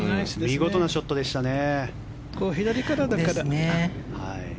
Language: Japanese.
見事なショットでしたね。